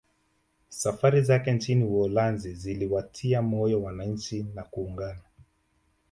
Safari zake nchini Uholanzi ziliwatia moyo wananchi na kuungana